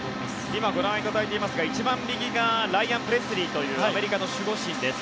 今ご覧いただいていますが一番右がライアン・プレスリーというアメリカの守護神です。